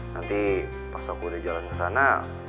nanti pas aku udah jalan ke sana